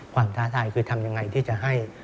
ความท้าทายคือทำอย่างไรที่จะให้